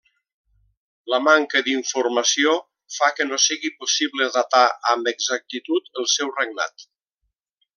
La manca d'informació fa que no sigui possible datar amb exactitud el seu regnat.